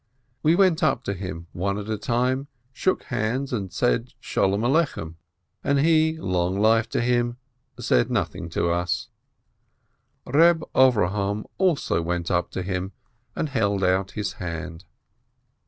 We went up to him, one at a time, shook hands, and said "Sholom Alechem," and he, long life to him, THE SINNEE 537 said nothing to us. Eeb Avrohom also went up to him, and held out his hand.